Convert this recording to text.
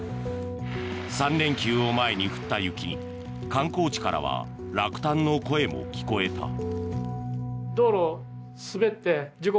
３連休を前に降った雪に観光地からは落胆の声も聞こえた。